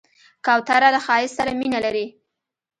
کوتره له ښایست سره مینه لري.